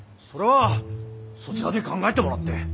それはそちらで考えてもらって。